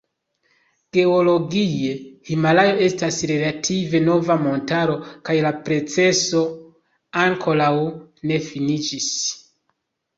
Geologie Himalajo estas relative nova montaro kaj la proceso ankoraŭ ne finiĝis.